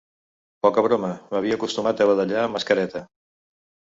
Poca broma, m'havia acostumat a badallar amb mascareta.